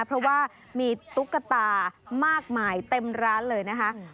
เพราะว่ามีตุ๊กตามากมายเต็มร้านเลยนะคะ